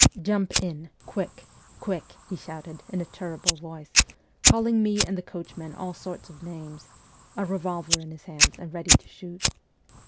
' Jump in, quick, quick !' he shouted in a terrible voice, calling me and the coachman all sorts of names, a revolver in his hand and ready to shoot.